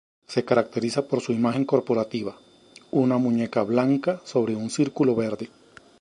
Se caracteriza por su imagen corporativa: una muñeca blanca sobre un círculo verde.